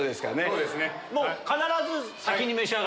そうですね。